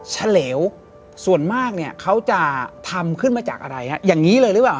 จะเฉลวส่วนมากเนี่ยจะทำขึ้นมาจากอะไรนะอย่างนี้เลยบ้างครับ